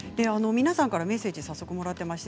皆さんからメッセージをもらっています。